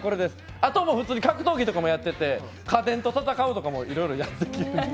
あとはもう格闘技とかもやってて、家電と戦おうとかもいろいろやってます。